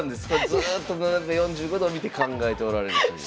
ずっと斜め４５度を見て考えておられるという。